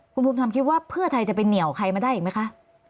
คุณภูมิธรรมคิดว่าเพื่อไทยจะไปเหนียวใครมาได้อีกไหมคะ